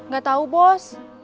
gak tahu bos